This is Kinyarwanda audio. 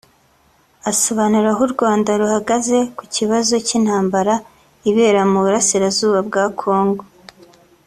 Asobanura aho u Rwanda ruhagaze ku kibazo cy’intambara ibera mu burasirazuba bwa Kongo